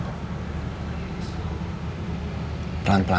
pelan pelan mama akan lupa